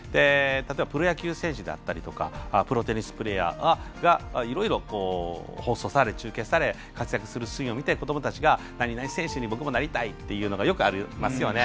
例えばプロ野球選手であったりプロテニスプレーヤーがいろいろ放送され、中継され活躍するシーンを見て子どもたちが何々選手に僕もなりたいってよくありますよね。